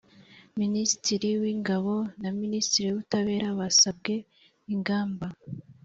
Minisitiri w Ingabo na Minisitiri w Ubutabera basabwe ingamba